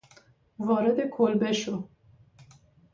وارد کلبه شو